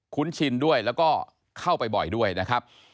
ชินด้วยแล้วก็เข้าไปบ่อยด้วยนะครับ